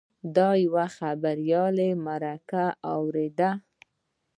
د یوه خبریال مرکه واورېده.